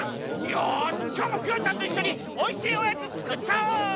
よしきょうもクヨちゃんといっしょにおいしいおやつつくっちゃおう！